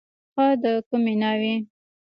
ښه د کومې ناوې.